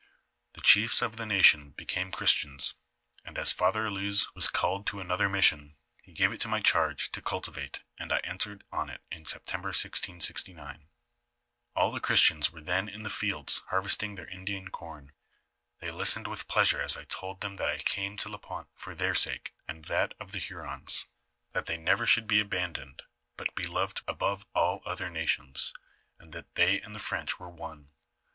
The chiefs of the nation became Christians, and as Father AUouez was call to another mission, he gave it to my charge to cultivate, and I entered on it in September, 1069. " All the Christians wore then in the fields harvesting their Indian corn ; they listened with pleasure when I told them that I came to Lnpointe for their sake and that of the Hu rons; that they never should be abandoned, but be beloved above all other nations, and that they and the French were one.